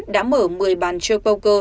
đã mở một mươi bàn chơi poker